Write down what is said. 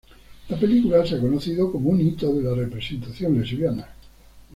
La película se ha conocido como un "hito de la representación lesbiana".